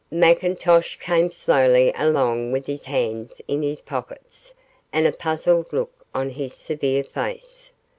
McIntosh came slowly along with his hands in his pockets and a puzzled look on his severe face.